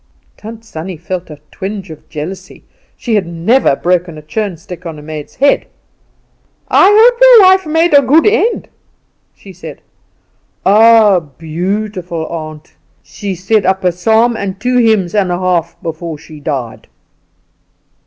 Tant Sannie felt a twinge of jealousy. She had never broken a churn stick on a maid's head. "I hope your wife made a good end," she said. "Oh, beautiful, aunt: she said up a psalm and two hymns and a half before she died."